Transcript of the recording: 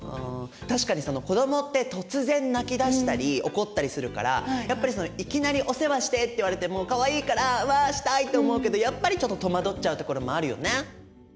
確かにその子どもって突然泣きだしたり怒ったりするからやっぱりそのいきなり「お世話して！」って言われてもかわいいから「わしたい！」って思うけどやっぱりちょっと戸惑っちゃうところもあるよね。